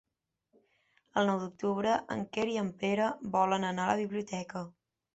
El nou d'octubre en Quer i en Pere volen anar a la biblioteca.